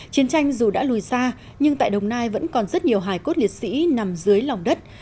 chiến tranh dù đã lùi xa nhưng tại đồng nai vẫn còn rất nhiều hài cốt liệt sĩ nằm dưới lòng đất